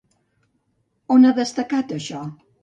On ha destacat això?